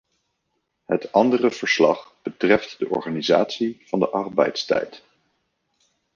Het andere verslag betreft de organisatie van de arbeidstijd.